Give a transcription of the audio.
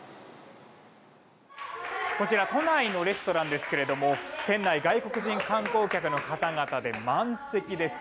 こちら、都内のレストランですけれども店内、外国人観光客の方々で満席です。